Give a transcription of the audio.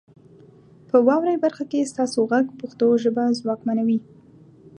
په واورئ برخه کې ستاسو غږ پښتو ژبه ځواکمنوي.